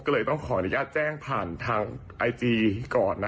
ก็เลยต้องขออนุญาตแจ้งผ่านทางไอจีก่อน